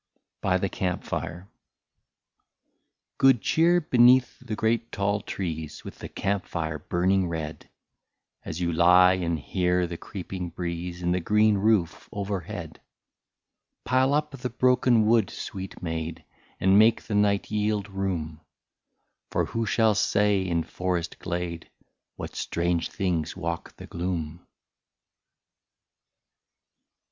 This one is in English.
BY THE CAMP FIRE. Good cheer, — beneath the great tall trees, With the camp fire burning red, As you lie and hear the creeping breeze In the green roof overhead. Pile up the broken wood, sweet maid. And make the night yield room ; For who shall say in forest glade. What strange things walk the gloom